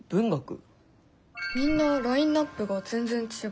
みんなラインナップが全然違う。